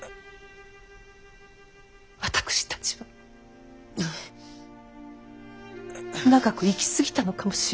私たちは長く生き過ぎたのかもしれない。